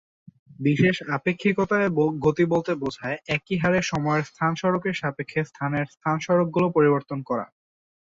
বিশেষ আপেক্ষিকতায় গতি বলতে বোঝায়, একই হারে সময়ের স্থানম্বরকের সাপেক্ষে স্থানের স্থানম্বরকগুলো পরিবর্তন করা।